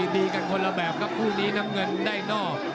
ดีกันคนละแบบครับคู่นี้น้ำเงินได้นอก